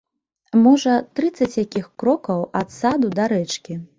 Можа, трыццаць якіх крокаў ад саду да рэчкі.